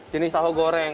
jenis tahu goreng